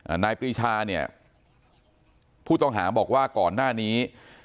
นายปรีชาเนี่ยผู้ต้องหาบอกว่าก่อนหน้านี้